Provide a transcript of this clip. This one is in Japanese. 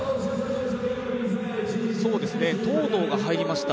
東藤が入りました。